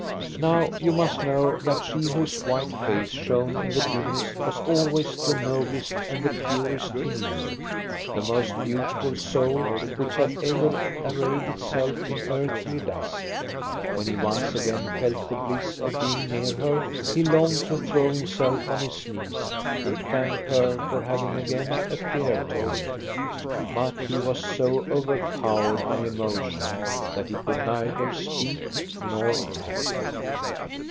Now you must know that she whose white face shone in the dimness was always the noblest and the purest he knew, the most beautiful soul which had ever arrayed itself in earthly dust. When he once again felt the bliss of being near her, he longed to throw himself on his knees and thank her for having again appeared to him; but he was so overpowered by emotion that he could neither speak nor act.